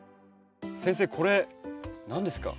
先生これ何ですか？